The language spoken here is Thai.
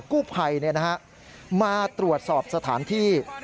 กู้ภัยมาตรวจสอบสถานที่